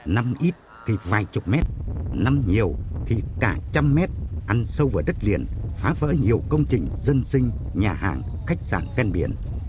năm ít thì vài chục mét năm nhiều thì cả trăm mét ăn sâu vào đất liền phá vỡ nhiều công trình dân sinh nhà hàng khách sạn khen biển